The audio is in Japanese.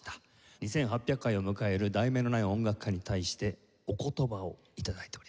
２８００回を迎える『題名のない音楽会』に対してお言葉を頂いております。